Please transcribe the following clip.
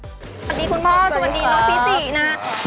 สวัสดีคุณพ่อสวัสดีน้องฟิจินะ